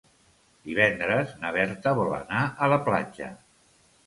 Divendres na Berta vol anar a la platja.